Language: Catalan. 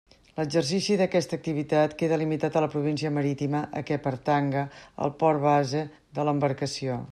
L'exercici d'aquesta activitat queda limitat a la província marítima a què pertanga el port base de l'embarcació.